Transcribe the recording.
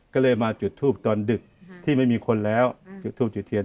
ก็เลยมาจุดทูปตอนดึกที่ไม่มีคนแล้วจุดทูบจุดเทียน